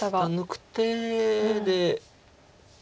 抜く手で。